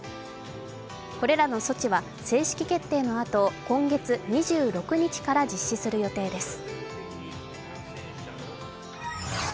これらの措置は正式決定のあと、今月２６日から実施する予定です。